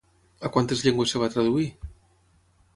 A quantes llengües es va traduir?